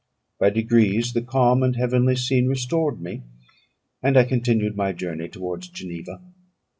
By degrees the calm and heavenly scene restored me, and I continued my journey towards Geneva.